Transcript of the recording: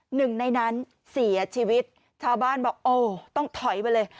หนึ่งในนั้นเสียชีวิตชาวบ้านบอกโอ้ต้องถอยไปเลย